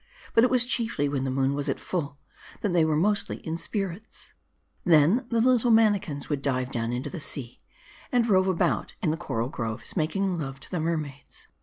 ' But it was chiefly when the moon was at full, that they were mostly in spirits. " Then the little manikins would dive down into the sea, and rove about in the coral groves, making love to the mer maids.